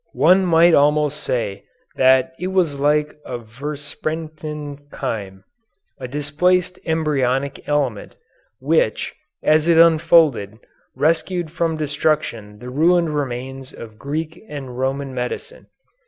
One might almost say that it was like a versprengten Keim a displaced embryonic element which, as it unfolded, rescued from destruction the ruined remains of Greek and Roman medicine.